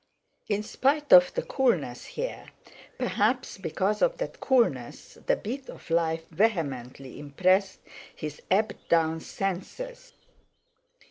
In spite of the coolness here, perhaps because of that coolness the beat of life vehemently impressed his ebbed down senses.